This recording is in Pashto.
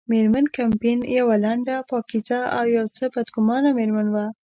مېرمن کمپن یوه لنډه، پاکیزه او یو څه بدګمانه مېرمن وه.